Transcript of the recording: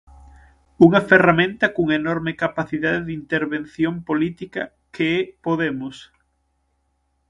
Unha ferramenta cunha enorme capacidade de intervención política Que é Podemos?